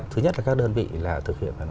thứ nhất là các đơn vị là thực hiện